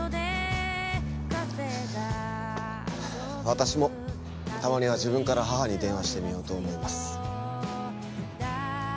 私もたまには自分から母に電話してみようと思います。